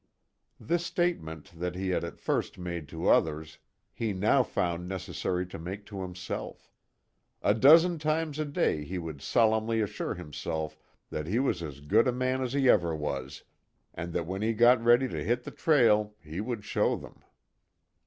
This statement that he had at first made to others, he now found necessary to make to himself. A dozen times a day he would solemnly assure himself that he was as good a man as he ever was, and that when he got ready to hit the trail he would show them.